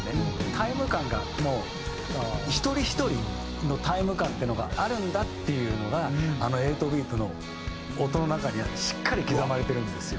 タイム感がもう一人ひとりのタイム感っていうのがあるんだっていうのがあの『８ｂｅａｔ』の音の中にはしっかり刻まれているんですよ。